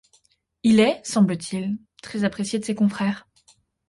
Il est, semble-t-il, très apprécié de ses confrères.